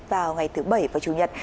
vào ngày thứ bảy và chủ nhật